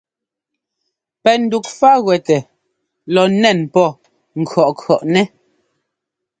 Pɛ ndufáguɛtɛ lɔ nɛ́n pɔ ŋkʉ̈ʼŋkʉ̈ʼnɛ́.